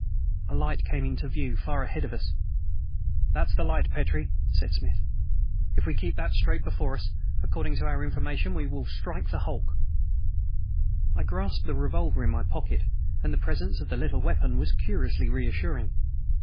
A light came into view far ahead of us. "That's the light, Petrie," said Smith. "If we keep that straight before us, according to our information we shall strike the hulk." I grasped the revolver in my pocket, and the presence of the little weapon was curiously reassuring.